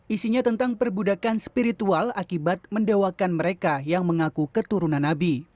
isinya tentang perbudakan spiritual akibat mendewakan mereka yang mengaku keturunan nabi